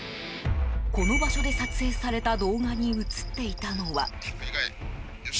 この場所で撮影された動画に映っていたのは。